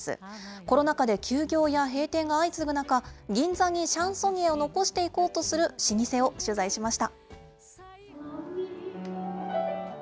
コロナ禍で休業や閉店が相次ぐ中、銀座にシャンソニエを残していこうとする老舗を取材しました。